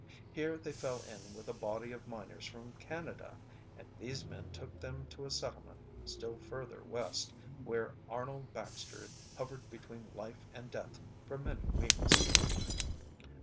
Here they fell in with a body of miners from Canada, and these men took them to a settlement still further West, where Arnold Baxter hovered between life and death for many weeks.